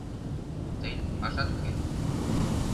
Тыйын пашат уке!